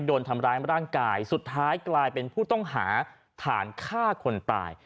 โดนทำร้ายร่างกายสุดท้ายกลายเป็นผู้ต้องหาฐานฆ่าคนตาย